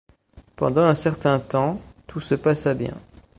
Pendant un certain temps, tout se passa bien.